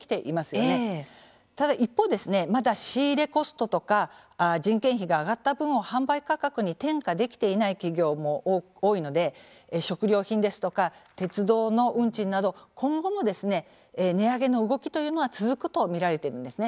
ただ一方ですねまだ仕入れコストとか人件費が上がった分を販売価格に転嫁できていない企業も多いので食料品ですとか鉄道の運賃など今後も値上げの動きというのは続くと見られているんですね。